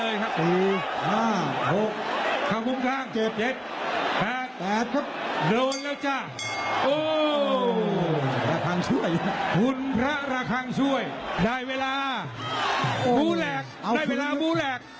โอ้โหถึงท่านต่อยกันเลยนะครับค่ะลางสี่แยกเลยนะฮะ